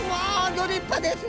ギョ立派ですね。